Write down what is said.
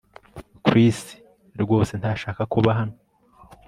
Chris rwose ntashaka kuba hano